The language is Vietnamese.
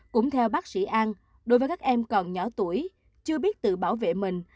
cũng theo bác sĩ an đối với các em còn nhỏ tuổi chưa biết tự bảo vệ mình